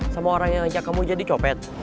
sama orang yang ajak kamu jadi copet